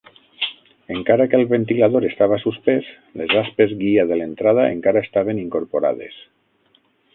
Encara que el ventilador estava suspès, les aspes guia de l'entrada encara estaven incorporades.